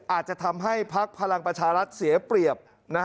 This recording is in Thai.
อาจจะทำให้พักพลังประชารัฐเสียเปรียบ